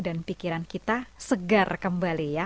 dan pikiran kita segar kembali